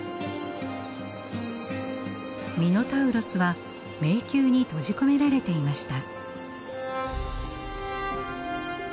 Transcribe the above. ミノタウロスは迷宮に閉じ込められていました。